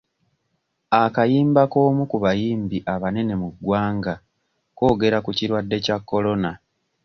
Akayimba k'omu ku bayimbi abanene mu ggwanga koogera ku kirwadde kya Corona.